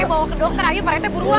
eh eh bawa ke dokter ayo pak rete buruan